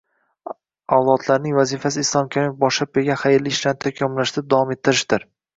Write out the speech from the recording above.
Avlodlarning vazifasi Islom Karimov boshlab bergan xayrli ishlarni takomillashtirib, davom ettirishdir